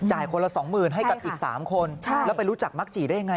คนละสองหมื่นให้กับอีก๓คนแล้วไปรู้จักมักจีได้ยังไง